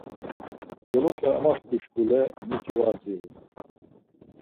Doloxe amaxtuşkule miti var dziru.